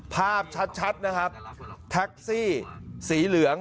ภาพชัดนะครับแท็กซี่สีเหลือง